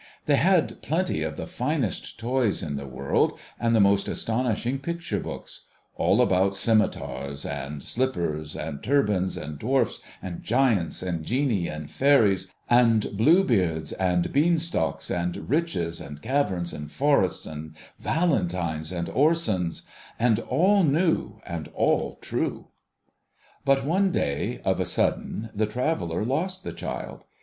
They had plenty of the finest toys in the world, and the most astonishing picture books : all about scimitars and slippers and turbans, and dwarfs and giants and genii and fairies, and blue beards and bean stalks and riches and caverns and forests and Valentines and Orsons : and all new and all true. But, one day, of a sudden, the traveller lost the child.